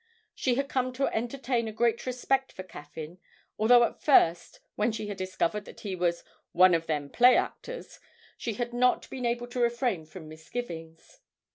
She had come to entertain a great respect for Caffyn, although at first, when she had discovered that he was 'one of them play actors,' she had not been able to refrain from misgivings.